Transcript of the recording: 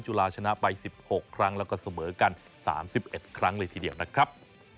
จุฬาชนะไป๑๖ครั้งแล้วก็เสมอกัน๓๑ครั้งเลยทีเดียวนะครับ